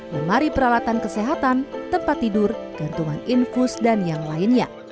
lemari peralatan kesehatan tempat tidur gantungan infus dan yang lainnya